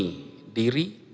dengan cara melindungi